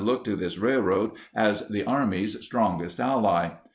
looked to this railroad as the Army's strongest ally.